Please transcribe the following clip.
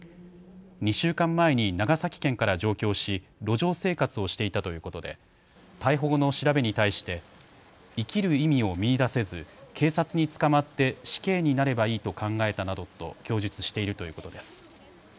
２週間前に長崎県から上京し路上生活をしていたということで逮捕後の調べに対して生きる意味を見いだせず、警察に捕まって死刑になればいいと考えたなどと供述しているということです。